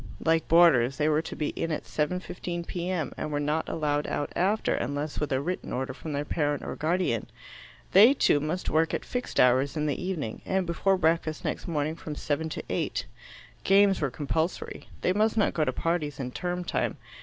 Like boarders, they were to be in at 7:15 P.M., and were not allowed out after unless with a written order from their parent or guardian; they, too, must work at fixed hours in the evening, and before breakfast next morning from 7 to 8. Games were compulsory. They must not go to parties in term time.